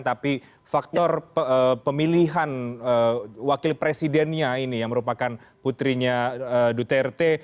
tapi faktor pemilihan wakil presidennya ini yang merupakan putrinya duterte